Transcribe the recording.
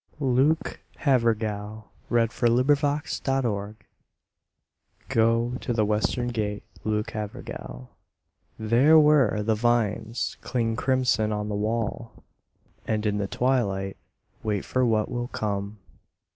o. Edwin Arlington Robinson Luke Havergal GO to the western gate, Luke Havergal, There where the vines cling crimson on the wall, And in the twilight wait for what will come.